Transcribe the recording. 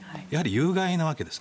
有害なわけです。